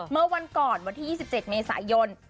เมื่อวันก่อนวันที่๒๗เมษายน